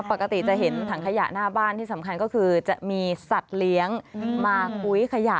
ปกติจะเห็นถังขยะหน้าบ้านที่สำคัญก็คือจะมีสัตว์เลี้ยงมากุ้ยขยะ